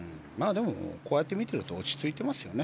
でも、こうやって見てると落ち着いてますよね。